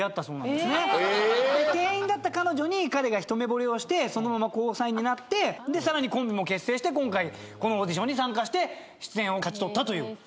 で店員だった彼女に彼が一目ぼれをして交際になってさらにコンビも結成して今回このオーディションに参加して出演を勝ち取ったという。